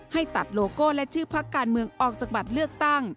ให้ตัดโลโก้และชื่อพักการเมืองออกจากบัตรเลือกตั้ง